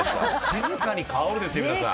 「“静かに香る”ですよ皆さん！」